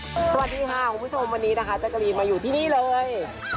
สวัสดีค่ะคุณผู้ชมวันนี้นะคะแจ๊กกะรีนมาอยู่ที่นี่เลย